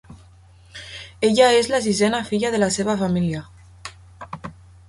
Ella és la sisena filla de la seva família.